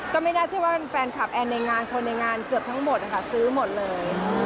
ก็ไม่น่าเชื่อว่าแฟนคลับแอนในงานคนในงานเกือบทั้งหมดนะคะซื้อหมดเลย